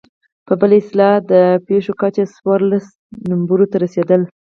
په بله اصطلاح يې د پښو کچه څوارلس نمبرو ته رسېدله.